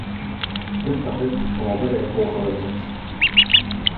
Võta hetk oma perega koosolemiseks.